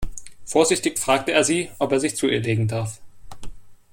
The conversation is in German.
Vorsichtig fragt er sie, ob er sich zu ihr legen darf.